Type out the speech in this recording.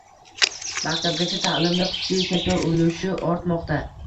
Maktabgacha ta’limda xususiy sektor ulushi ortmoqda